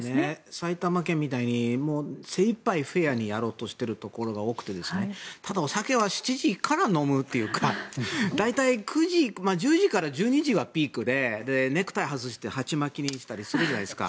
埼玉県みたいに精いっぱいフェアにやろうとしているところが多くてただ、お酒は７時から飲むというか大体１０時から１２時がピークでネクタイを外して鉢巻きにしたりするじゃないですか。